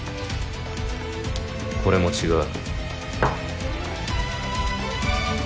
これも違う。